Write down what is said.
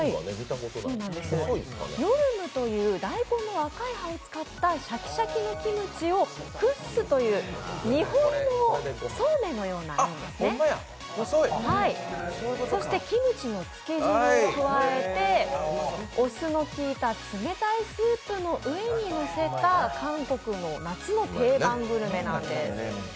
ヨルムという大根の赤い葉を使ったシャキシャキのキムチを、クッスという日本のそうめんのようなものですね、そしてキムチのつけ汁を加えてお酢のきいた冷たいスープの上にのせた韓国の夏の定番グルメなんです。